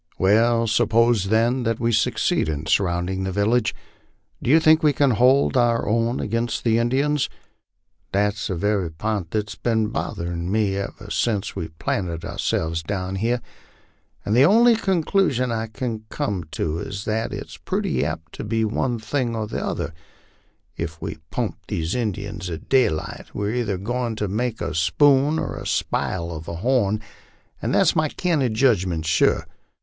" "Well, suppose then that we succeed in surrounding the village, do you think we can hold our own against the Indians?" "That's the very pint that's been botherin' me ever since we planted ourselves down here, and the only conclusion I kin come at is that it's purty apt to be one thing or t'other; if we pump these Injuns at daylight, we're either goin' to make a spoon or spile a horn, an' that's my candid judgment, sure.